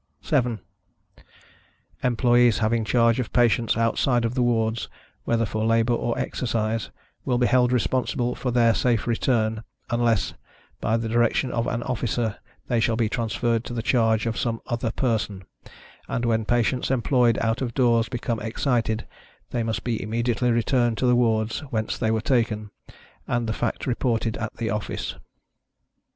7. Employees having charge of patients outside of the wards, whether for labor or exercise, will be held responsible for their safe return, unless, by the direction of an officer they shall be transferred to the charge of some other person; and when patients employed out of doors become excited, they must be immediately returned to the wards whence they were taken, and the fact reported at the office.